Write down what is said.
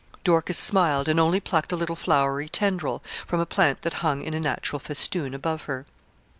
Dorcas smiled, and only plucked a little flowery tendril from a plant that hung in a natural festoon above her.